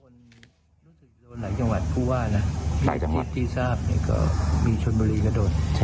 รู้สึกโดนหลายจังหวัดผู้ว่านะที่ทราบเนี่ยก็มีชนบุรีก็โดน